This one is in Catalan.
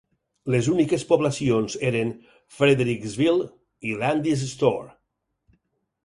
Les úniques poblacions eren Fredericksville i Landis Store.